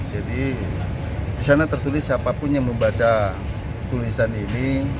di sana tertulis siapapun yang membaca tulisan ini